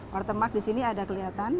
wartemak di sini ada kelihatan